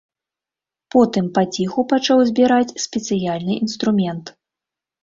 Потым паціху пачаў збіраць спецыяльны інструмент.